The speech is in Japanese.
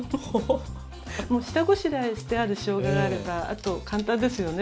もう下ごしらえしてあるしょうががあればあと簡単ですよね。